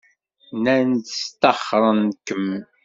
Nnan-d sṭaxren-kem.